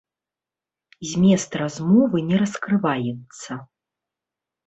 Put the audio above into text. Змест размовы не раскрываецца.